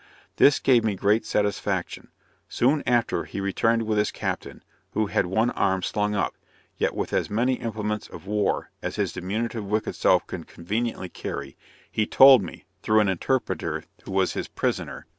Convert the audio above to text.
This gave me great satisfaction. Soon after, he returned with his captain, who had one arm slung up, yet with as many implements of war, as his diminutive wicked self could conveniently carry; he told me (through an interpreter who was his prisoner.)